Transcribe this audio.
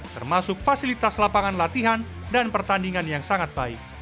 termasuk fasilitas lapangan latihan dan pertandingan yang sangat baik